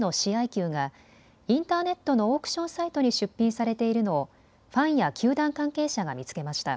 球がインターネットのオークションサイトに出品されているのをファンや球団関係者が見つけました。